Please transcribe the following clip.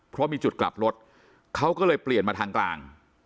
เพราะมีจุดกลับรถเขาก็เลยเปลี่ยนมาทางกลาง